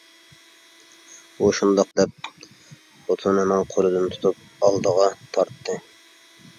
ئۇ شۇنداق دەپ خوتۇنىنىڭ قولىدىن تۇتۇپ ئالدىغا تارتتى.